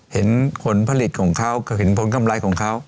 เห็นผลผลิตของเขาก็เห็นผลกำไรของเขา